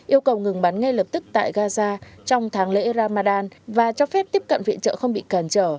yêu cầu ngừng bắn ngay lập tức tại gaza trong tháng lễ ramadan và cho phép tiếp cận viện trợ không bị cản trở